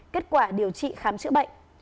kết quả điều trị khám chữa bệnh